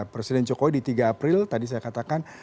presiden jokowi di tiga april tadi saya katakan